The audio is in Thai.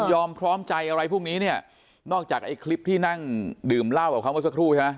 ยอมพร้อมใจอะไรพวกนี้เนี่ยนอกจากไอ้คลิปที่นั่งดื่มเหล้ากับเขาเมื่อสักครู่ใช่ไหม